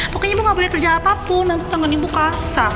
pokoknya ibu gak boleh kerja apapun nanti tanggal ibu kasar